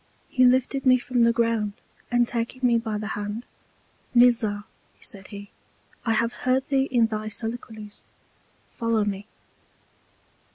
He lifted me from the Ground, and taking me by the hand, Mirzah, said he, I have heard thee in thy Soliloquies; follow me.